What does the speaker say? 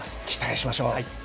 期待しましょう。